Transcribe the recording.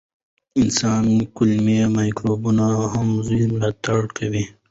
د انسان کولمو مایکروبیوم د هضم ملاتړ کوي.